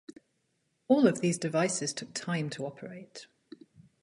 All of these devices took time to operate.